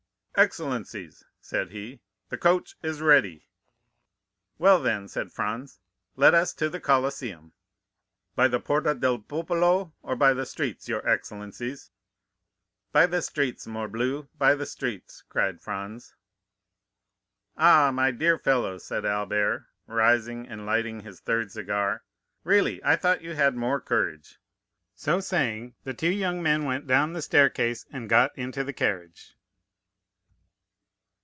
"Excellencies," said he, "the coach is ready." "Well, then," said Franz, "let us to the Colosseum." "By the Porta del Popolo or by the streets, your excellencies?" "By the streets, morbleu! by the streets!" cried Franz. "Ah, my dear fellow," said Albert, rising, and lighting his third cigar, "really, I thought you had more courage." So saying, the two young men went down the staircase, and got into the carriage.